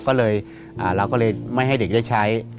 ก็เลยเราก็เลยไม่ให้เด็กได้ใช้